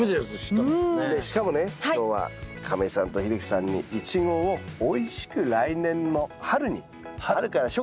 しかもね今日は亀井さんと秀樹さんにイチゴをおいしく来年の春に春から初夏ですね